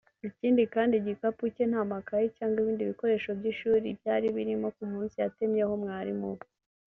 ikindi kandi igikapu cye nta makaye cyangwa ibindi bikoresho by’ishuri byari birimo ku munsi yatemyeho umwarimu we